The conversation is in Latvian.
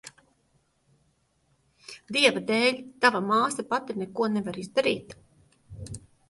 Dieva dēļ, tava māsa pati neko nevar izdarīt.